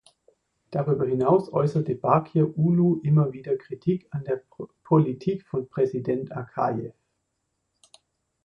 Darüber hinaus äußerte Bakir Uulu immer wieder Kritik an der Politik von Präsident Akajew.